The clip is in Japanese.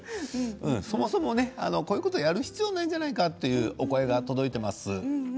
そもそもね、こういうことをやる必要がないじゃないかというお声が届いています。